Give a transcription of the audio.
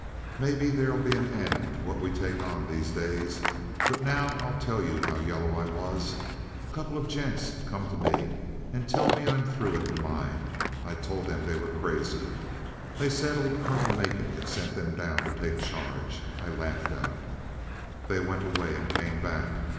"Maybe there'll be an end to what we take one of these days. But now I'll tell you how yellow I was. A couple of gents come to me and tell me I'm through at the mine. I told them they were crazy. They said old Colonel Macon had sent them down to take charge. I laughed at 'em. They went away and came back.